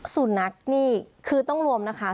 สุนัขนี่คือต้องรวมนะคะ